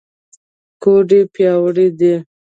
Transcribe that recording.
ګوډې پیاوړې دي.